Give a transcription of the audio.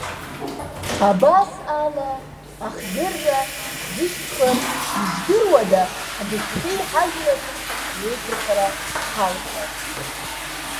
Абас ала, ахдырра ҳзышьҭхыр, издыруада ҳбызшәеи ҳажәлари реиқәырхара ҳалшар.